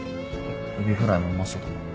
エビフライもうまそうだな。